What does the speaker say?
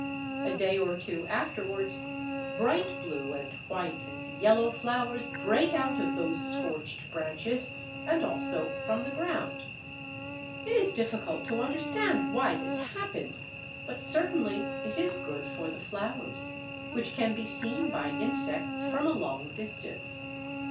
A day or two afterwards, bright blue and white and yellow flowers break out of those scorched branches and also from the ground. It is difficult to understand why this happens, but certainly it is good for the flowers, which can be seen by insects from a long distance.